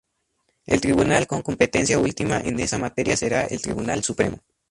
El tribunal con competencia última en esa materia sería el Tribunal Supremo.